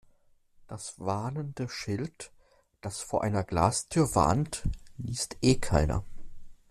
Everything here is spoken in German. Das warnende Schild, das vor einer Glastür warnt, liest eh keiner.